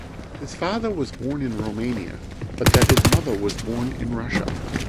His father was born in Romania but that his mother was born in Russia.